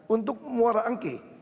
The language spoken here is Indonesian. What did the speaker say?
untuk muara angke